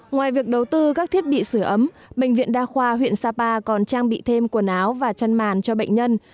ngoài việc đầu tư các thiết bị sửa ấm bệnh viện đa khoa huyện sapa còn trang bị thêm quần áo và chăn màn cho bệnh nhân